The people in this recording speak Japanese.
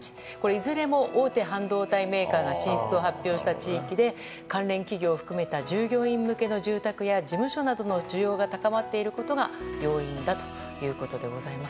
いずれも大手半導体メーカーが進出を発表した地域で関連企業を含めた従業員向けの住宅や事務所などの需要が高まっていることが要因だということです。